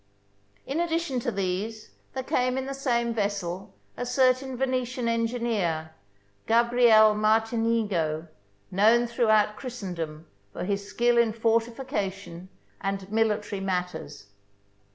In addition to these, there came in the same vessel a certain Venetian engineer, Gabriel Martinigo, known throughout Christendom for his skill in fortification and mili tary matters.